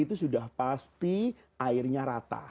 itu sudah pasti airnya rata